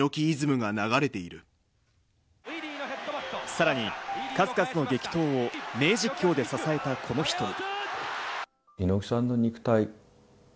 さらに数々の激闘を名実況で支えたこの人も。